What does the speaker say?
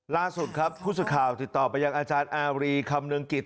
ล่าสุดครับผู้สื่อข่าวติดต่อไปยังอาจารย์อารีคำนึงกิจ